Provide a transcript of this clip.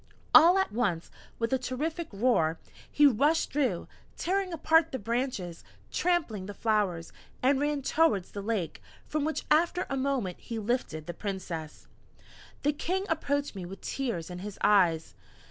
All at once with a terrific roar he rushed through, tearing apart the branches, trampling the flowers, and ran towards the lake, from which after a moment he lifted the Princess." The King approached me with tears in his eyes.